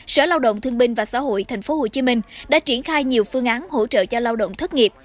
sở lao động thương binh và xã hội tp hcm đã triển khai nhiều phương án hỗ trợ cho lao động thất nghiệp